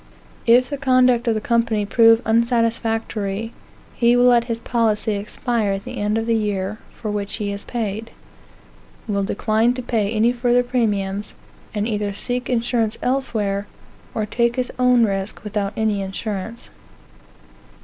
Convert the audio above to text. If the conduct of the company prove unsatisfactory, he will let his policy expire at the end of the year for which he has paid; will decline to pay any further premiums, and either seek insurance elsewhere, or take his own risk without any insurance.